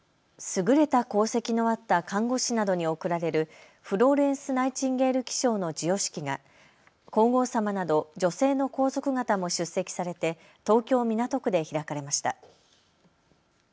優れた功績のあった看護師などに贈られるフローレンス・ナイチンゲール記章の授与式が皇后さまなど女性の皇族方も出席されて東京港区で開かれました。